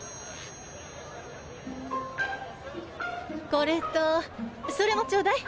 これとそれもちょうだい。